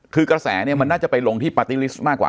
กระแสน่าจะไปลงที่ปาตี้ลิสมากกว่า